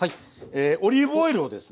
オリーブオイルをですね